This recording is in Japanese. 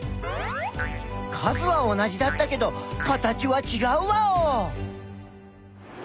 数は同じだったけど形はちがうワオ！